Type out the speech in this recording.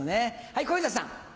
はい小遊三さん。